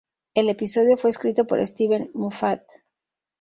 El episodio fue escrito por Steven Moffat.